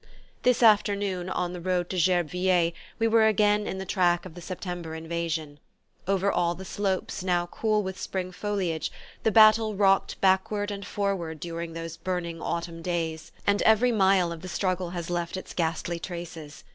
This afternoon, on the road to Gerbeviller, we were again in the track of the September invasion. Over all the slopes now cool with spring foliage the battle rocked backward and forward during those burning autumn days; and every mile of the struggle has left its ghastly traces.